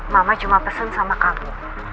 mama cuma pesen sama kami